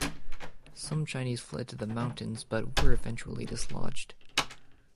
Some Chinese fled to the mountains but were eventually dislodged.